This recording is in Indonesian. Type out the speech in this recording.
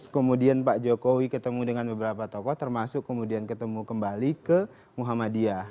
kemudian pak jokowi ketemu dengan beberapa tokoh termasuk kemudian ketemu kembali ke muhammadiyah